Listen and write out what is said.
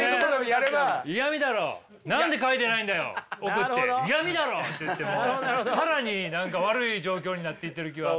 送って「イヤミだろ！」って言ってもう更に何か悪い状況になっていってる気は。